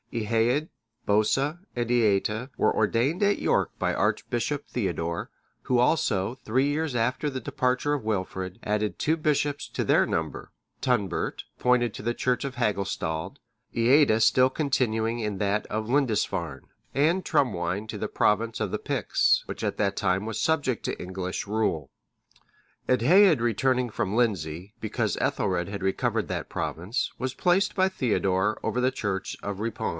Eadhaed, Bosa, and Eata, were ordained at York by archbishop Theodore;(609) who also, three years after the departure of Wilfrid, added two bishops to their number: Tunbert,(610) appointed to the church of Hagustald, Eata still continuing in that of Lindisfarne; and Trumwine(611) to the province of the Picts, which at that time was subject to English rule. Eadhaed returning from Lindsey, because Ethelred had recovered that province,(612) was placed by Theodore over the church of Ripon.